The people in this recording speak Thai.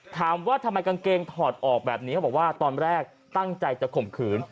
ถามว่าทำไมกางเกงถอดออกแบบนี้เขาบอกว่าตอนแรกตั้งใจจะข่มขืน